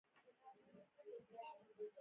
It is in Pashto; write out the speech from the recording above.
افغان نجونو لپاره ښوونځي پرانیستل شول.